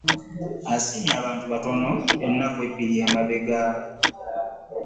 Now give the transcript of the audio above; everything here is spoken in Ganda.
Yasiimye abantu bataano ennaku bbiri e mabega.